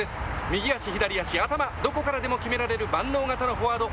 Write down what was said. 右足、左足、頭、どこからでも決められる万能型のフォワード。